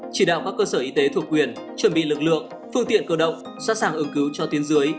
chỉ đạo các cơ sở y tế thuộc quyền chuẩn bị lực lượng phương tiện cơ động sẵn sàng ứng cứu cho tuyến dưới